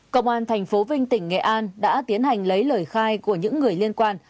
công an thành phố vinh tỉnh nghệ an đã tiến hành lấy lời khai của những người liên quan